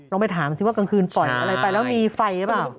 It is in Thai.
ไปถามสิว่ากลางคืนปล่อยอะไรไปแล้วมีไฟหรือเปล่า